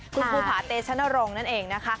คุณภูผาเตชนรงค์นั่นเองนะคะ